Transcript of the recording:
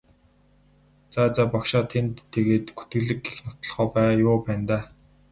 За за багшаа танд тэгээд гүтгэлэг гэх нотолгоо юу байна даа?